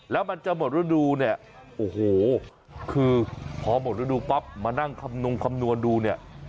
แล้วมันจะหมดฤดูเนี่ยโอ้โหคือพอหมดฤดูปั๊บมานั่งคำนงคำนวณดูเนี่ย